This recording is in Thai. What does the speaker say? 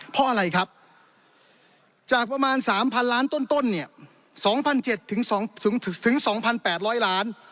เพราะอะไรครับจากประมาณ๓๐๐ล้านต้นเนี่ย๒๗๐๐ถึง๒๘๐๐ล้าน